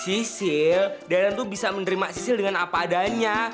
si sil darren tuh bisa menerima si sil dengan apa adanya